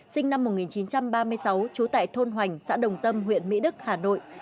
sinh năm một nghìn chín trăm ba mươi sáu trú tại thôn hoành xã đồng tâm huyện mỹ đức hà nội